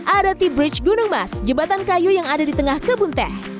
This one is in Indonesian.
ada ty bridge gunung mas jembatan kayu yang ada di tengah kebun teh